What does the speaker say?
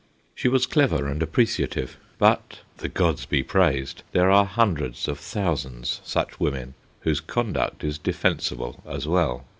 She was clever and appreciative. But, the gods be praised, there are hundreds of thousands such women whose conduct is defensible as well.